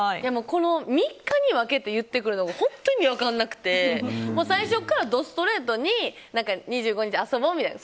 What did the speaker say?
この３日に分けて言ってくるのが分からなくて最初から、どストレートに２５日遊ぼうみたいな。